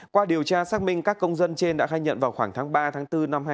qua điều tra xác minh các công dân trên đã khai nhận vào khoảng tháng ba bốn hai nghìn hai mươi một